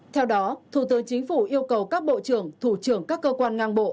theo đó thủ tướng chính phủ yêu cầu các bộ trưởng thủ trưởng các cơ quan ngang bộ